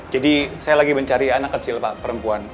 jadi saya lagi mencari anak kecil pak perempuan